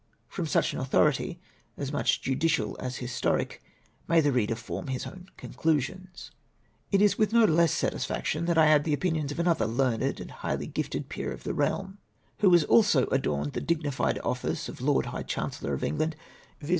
From such an authority — as much judicial as historic— may the reader form his own con clusions. It is with no less satisfaction that I add the opinions of another learned and highly gifted peer of the realm, y 2 324 LORD BROUGHAM'S OPINION. who lias also adorned the dignified office of Lord Iligli Chancellor of England, viz.